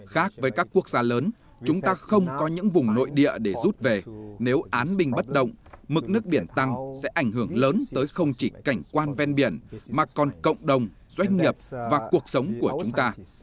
khác với các quốc gia lớn chúng ta không có những vùng nội địa để rút về nếu án bình bất động mức nước biển tăng sẽ ảnh hưởng lớn tới không chỉ cảnh quan ven biển mà còn cộng đồng doanh nghiệp và cuộc sống của chúng ta